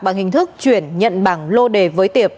bằng hình thức chuyển nhận bảng lô đề với tiệp